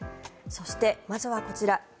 そして、まずはこちら。